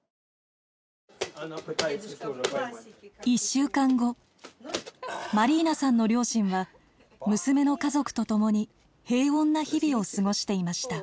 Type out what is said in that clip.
１週間後マリーナさんの両親は娘の家族と共に平穏な日々を過ごしていました。